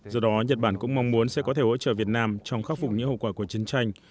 do đó nhật bản cũng mong muốn sẽ có thể hỗ trợ việt nam trong khắc phục những hậu quả của chiến tranh